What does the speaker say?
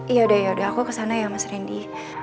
yaudah yaudah aku kesana ya mas rendy